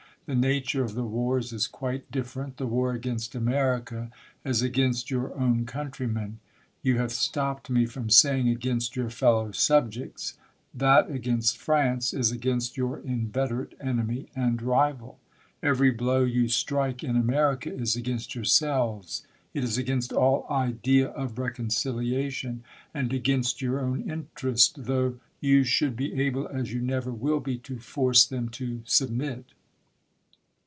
The nature of the wars is quite dif ferent : the war against Amei'ica is against your own countrymen ; you have stopped me from saying against your fellow subjects ; that against France is against your inveterate enemy and rival. Every blow you sti ^kc in America is against yourselves ; it is against all idea of reconciliation, and against your own interest, though you should be able, as you never will be, to force them to subm.it.